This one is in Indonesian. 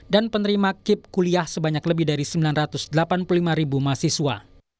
dan penerima kip kuliah sebanyak lebih dari sembilan ratus delapan puluh lima ribu mahasiswa